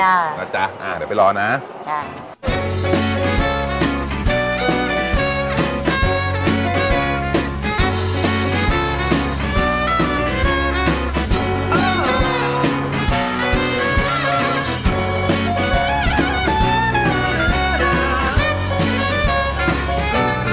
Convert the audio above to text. ได้อ่ะนะจ๊ะอ่าเดี๋ยวไปรอนะได้